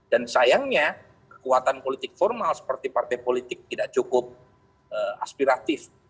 dan sayangnya kekuatan politik formal seperti partai politik tidak cukup aspiratif